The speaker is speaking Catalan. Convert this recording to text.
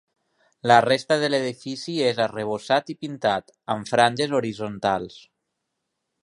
La resta de l'edifici és arrebossat i pintat, amb franges horitzontals.